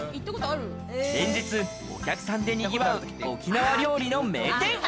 連日、お客さんで賑わう沖縄料理の名店。